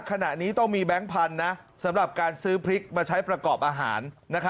ขณะนี้ต้องมีแบงค์พันธุ์สำหรับการซื้อพริกมาใช้ประกอบอาหาร